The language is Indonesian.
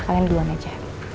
kalian duluan aja